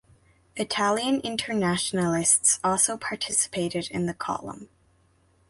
Italian internationalists also participated in the column.